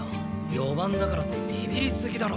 ４番だからってびびりすぎだろ！